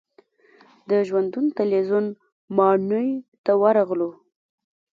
د ژوندون تلویزیون ماڼۍ ته ورغلو.